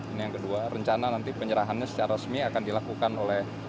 ini yang kedua rencana nanti penyerahannya secara resmi akan dilakukan oleh